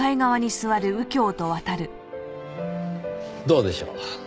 どうでしょう。